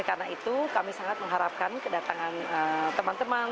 karena itu kami sangat mengharapkan kedatangan teman teman